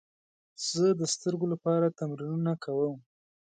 زه د سترګو لپاره تمرینونه کوم.